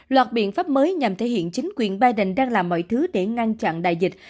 loạt biện pháp mới nhằm thể hiện chính quyền biden đang làm mọi thứ để ngăn chặn đại dịch